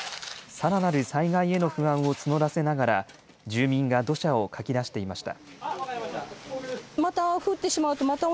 さらなる災害への不安を募らせながら住民が土砂をかき出していました。